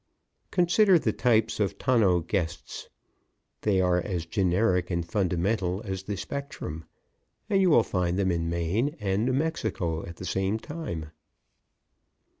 Consider the types of tonneau guests. They are as generic and fundamental as the spectrum and you will find them in Maine and New Mexico at the same time.